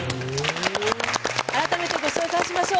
改めてご紹介しましょう。